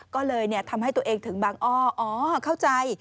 ก็เลยทำให้ตัวเองถึงบางอ้ออ๋อเข้าใจ